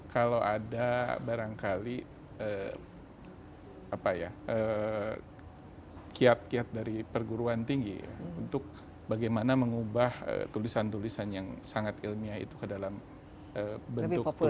kalau ada barangkali kiat kiat dari perguruan tinggi untuk bagaimana mengubah tulisan tulisan yang sangat ilmiah itu ke dalam bentuk tulisan